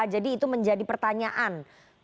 jadi itu menjadi pertanyaan